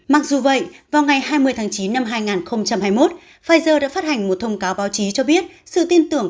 mặc dù vậy vào ngày hai mươi tháng chín năm hai nghìn hai mươi một pfizer đã phát hành một thông cáo báo chí cho biết sự tin tưởng